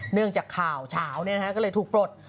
เนื่องจากข่าวเฉาก็เลยถูกปลด